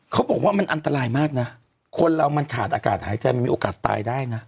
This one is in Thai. เขาบอกว่ามันอันตรายมากนะคนเรามันขาดอากาศหายใจมันมีโอกาสตายได้นะ